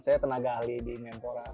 saya tenaga ahli di menpora